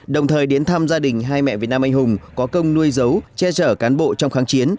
đồng thời đến thăm gia đình hai mẹ việt nam anh hùng có công nuôi dấu che chở cán bộ trong kháng chiến